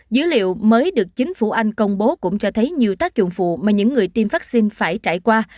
dữ liệu mới được chính phủ anh công bố cũng cho thấy nhiều tác dụng phụ mà những người tiêm vaccine phải trải qua